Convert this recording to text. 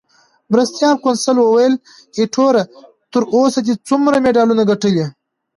مرستیال کونسل وویل: ایټوره، تر اوسه دې څومره مډالونه ګټلي؟